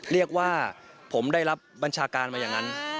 เรียกว่าผมได้รับบัญชาการมาอย่างนั้น